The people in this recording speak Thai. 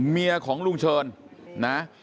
เมียของลุงเชิญนะ